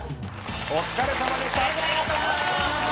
お疲れさまでした。